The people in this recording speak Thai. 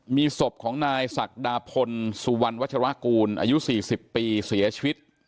มีศพของนายศักดาพลสุวรรณวัชรากูลอายุ๔๐ปีเสียชีวิต